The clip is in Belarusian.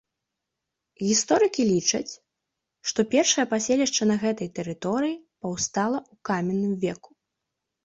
Гісторыкі лічаць, што першае паселішча на гэтай тэрыторыі паўстала ў каменным веку.